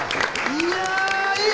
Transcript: いや、いい！